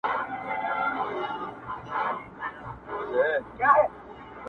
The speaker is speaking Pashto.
خو دننه درد ژوندی وي تل،